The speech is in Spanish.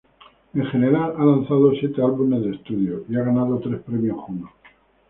En general, ha lanzado siete álbumes del estudio y ha ganado tres premio Juno.